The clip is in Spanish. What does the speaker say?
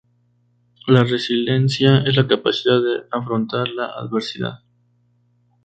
La resiliencia es la capacidad de afrontar la adversidad.